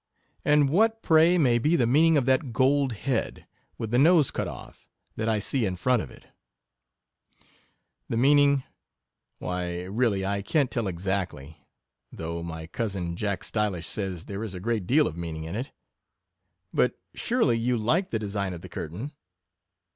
And what, pray, may be the meaning of that gold head, with the nose cut off, that I see in front of it ? The meaning — why, really, I can't tell exactly — though my cousin, Jack Stylish, says there is a great deal of meaning in it. But surely you like the design of the curtain